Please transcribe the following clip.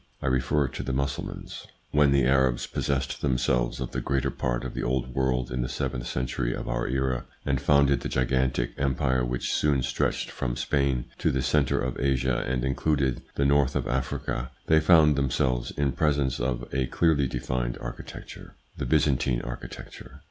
I refer to the Mussul mans. When the Arabs possessed themselves of the greater part of the old world in the seventh century of our era, and founded the gigantic empire which soon stretched from Spain to the centre of Asia and included the north of Africa, they found themselves in presence of a clearly defined architecture : the Byzantine architecture.